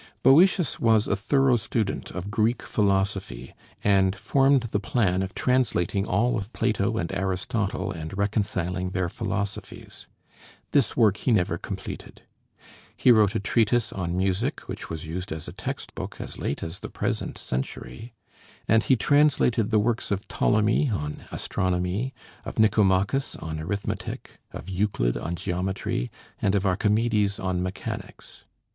Boëtius was a thorough student of Greek philosophy, and formed the plan of translating all of Plato and Aristotle and reconciling their philosophies. This work he never completed. He wrote a treatise on music which was used as a text book as late as the present century; and he translated the works of Ptolemy on astronomy, of Nicomachus on arithmetic, of Euclid on geometry, and of Archimedes on mechanics.